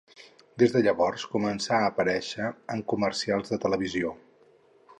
Des de llavors començà a aparéixer en comercials de televisió.